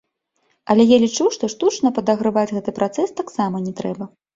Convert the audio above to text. Але я лічу, што штучна падаграваць гэты працэс таксама не трэба.